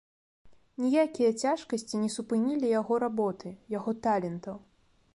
Ніякія цяжкасці не супынілі яго работы, яго талентаў.